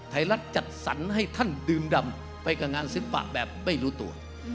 รัฐจัดสรรให้ท่านดื่มดำไปกับงานศิลปะแบบไม่รู้ตัว